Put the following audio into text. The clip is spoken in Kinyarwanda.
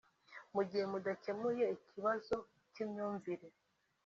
mu gihe mudakemuye ikibazo cy’imyumvire